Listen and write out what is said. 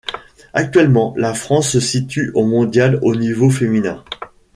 Actuellement la France se situe au mondial au niveau féminin.